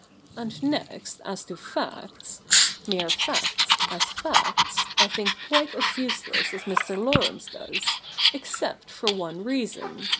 And next, as to facts ; mere facts, as facts, I think quite as useless as Mr. Laurence does, except for one reason.